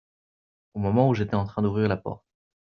Au moment où j'étais en train d'ouvrir la porte.